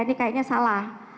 ini kayaknya salah